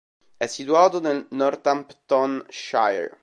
È situato nel Northamptonshire.